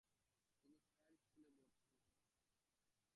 তিনি হেয়ার স্কুলে ভর্তি হন।